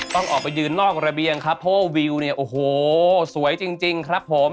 ต้องออกไปยืนนอกระเบียงครับเพราะว่าวิวเนี่ยโอ้โหสวยจริงครับผม